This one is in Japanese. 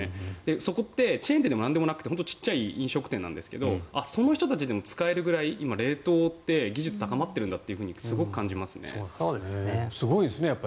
そこってチェーン店でもなんでもなくて小さい飲食店なんですけどその人たちでも使えるくらい今、冷凍って技術は高まってるんだって感じますね。